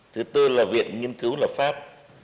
thứ tư là viện nghiên cứu lập pháp